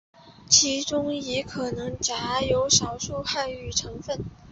其中亦可能夹有少数汉语成分。